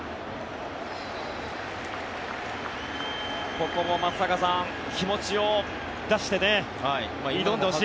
ここも松坂さん気持ちを出して挑んでほしい。